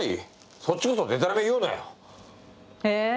そっちこそデタラメ言うなよへえ